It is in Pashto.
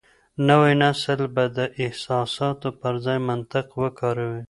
نوی نسل به د احساساتو پر ځای منطق وکاروي.